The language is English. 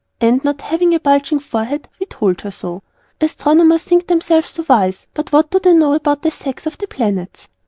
and, not having a bulging forehead, we told her so! Astronomers think themselves so wise, but what do they know about the sex of the Planets?